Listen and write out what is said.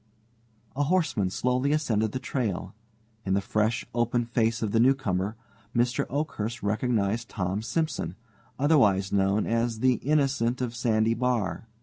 A horseman slowly ascended the trail. In the fresh, open face of the newcomer Mr. Oakhurst recognized Tom Simson, otherwise known as the "Innocent" of Sandy Bar.